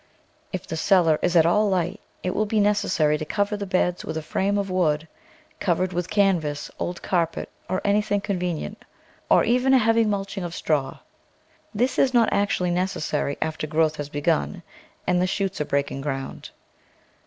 If the cellar is at all light, it will be necessary to cover the beds with a frame of wood, covered with can vas, old carpet, or anything convenient, or even a heavy mulching of straw. This is not actually necessary after growth has begun and the shoots are breaking ground.